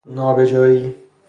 نابجایی